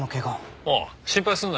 ああ心配すんな。